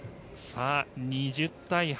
２０対８。